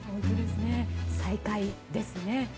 再会ですね。